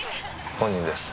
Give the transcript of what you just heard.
本人です。